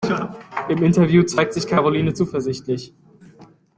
Im Interview zeigt sich Karoline zuversichtlich.